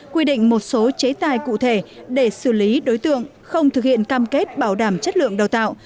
quy định một số chế tài cụ thể để xử lý đối tượng không thực hiện cam kết bảo đảm chất lượng đào tạo